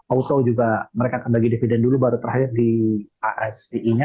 oso juga mereka akan bagi dividen dulu baru terakhir di asei nya